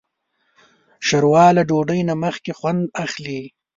ښوروا له ډوډۍ نه مخکې خوند اخلي.